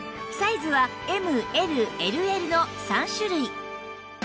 サイズは ＭＬＬＬ の３種類